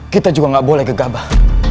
kita juga gak boleh gegabah